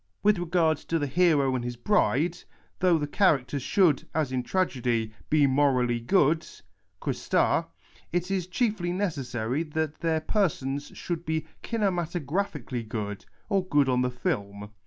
..." With regard to the hero and his bride, though their characters should, as in tragedy, be morally good {xp qa Tu), it is chicfly necessary that their persons should be kinematographically good or good on the film.